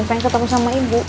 pengen ketemu sama ibu